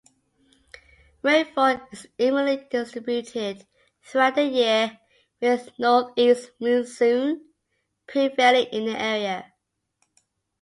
Rainfall is evenly distributed throughout the year with north-east monsoon prevailing in the area.